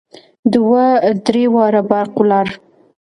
دوه درې واره برق ولاړ.